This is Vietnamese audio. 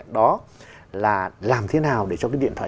đó là làm thế nào để cho cái điện thoại